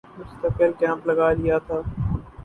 مستقل کیمپ لگا لیا تھا